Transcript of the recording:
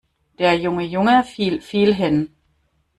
Der junge Junge fiel viel hin.